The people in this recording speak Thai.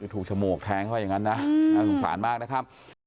ถูกฉมวกแทงเข้าไปอย่างนั้นนะน่าสงสารมากนะครับ